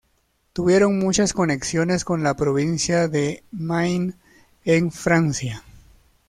Tuvieron muchas conexiones con la provincia de Maine en Francia.